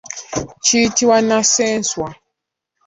Kiyitibwa nnassenswa.